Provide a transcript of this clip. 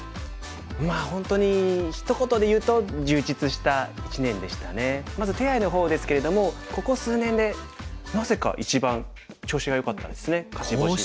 まあ本当にひと言でいうとまず手合の方ですけれどもここ数年でなぜか一番調子がよかったですね勝ち星が。